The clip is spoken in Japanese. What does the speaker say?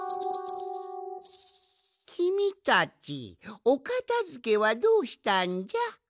きみたちおかたづけはどうしたんじゃ？